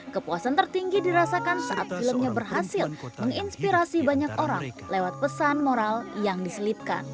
kepuasan tertinggi dirasakan saat filmnya berhasil menginspirasi banyak orang lewat pesan moral yang diselipkan